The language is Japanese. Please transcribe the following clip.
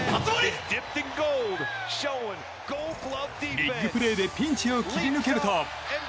ビッグプレーでピンチを切り抜けると。